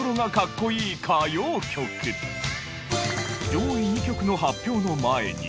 上位２曲の発表の前に。